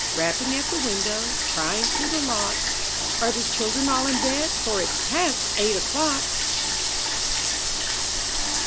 Rapping at the window, Crying through the lock, '*Are the children all in bed, For it*s past eight o'clock?"